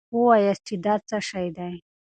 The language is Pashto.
وواياست چې دا څه شی دی.